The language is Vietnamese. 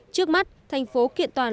trước mắt thành phố kiện toàn